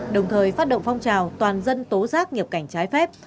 đồng thời phát động phong trào toàn dân tố giác nhập cảnh trái phép